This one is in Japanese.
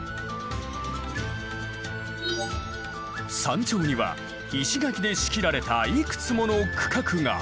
山頂には石垣で仕切られたいくつもの区画が。